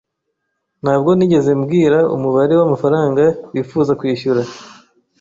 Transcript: Ntabwo nigeze mbwirwa umubare w'amafaranga bifuza kwishyura